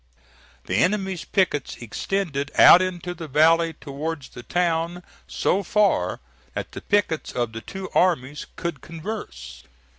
The enemy's pickets extended out into the valley towards the town, so far that the pickets of the two armies could converse.